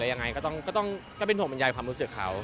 ยังไงก็ต้องเป็นห่วงบรรยายความรู้สึกเขา